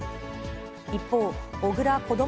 一方、小倉こども